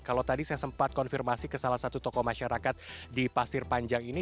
kalau tadi saya sempat konfirmasi ke salah satu tokoh masyarakat di pasir panjang ini